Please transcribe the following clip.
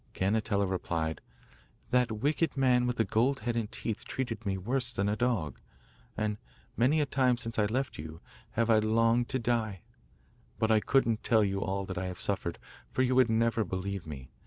Cannetella replied: 'That wicked man with the gold head and teeth treated me worse than a dog, and many a time, since I left you, have I longed to die. But I couldn't tell you all that I have suffered, for you would never believe me.